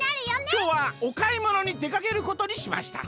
「きょうはおかいものにでかけることにしました。